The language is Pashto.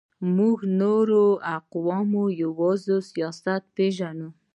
موږ نور اقوام یوازې له سیاست پېژنو.